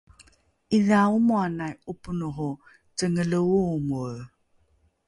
’idha omoanai ’oponoho cengele oomoe